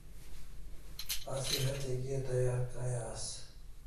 Asi hatya kia tayar kai as?